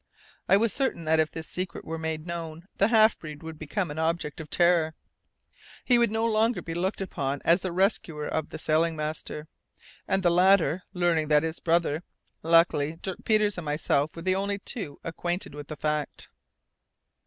I was certain that if this secret were made known the half breed would become an object of terror. He would no longer be looked upon as the rescuer of the sailing master; and the latter, learning that his brother Luckily, Dirk Peters and myself were the only two acquainted with the fact.